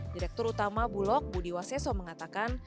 direktur utama bulog budi waseso mengatakan